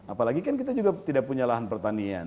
apalagi kan kita juga tidak punya lahan pertanian